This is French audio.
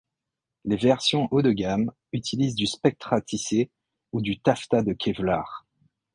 Les versions haut de gamme utilisent du Spectra tissé ou du taffetas de Kevlar.